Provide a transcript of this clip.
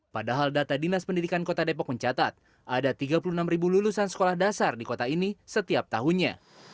padahal data dinas pendidikan kota depok mencatat ada tiga puluh enam lulusan sekolah dasar di kota ini setiap tahunnya